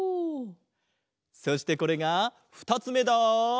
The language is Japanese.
そしてこれがふたつめだ！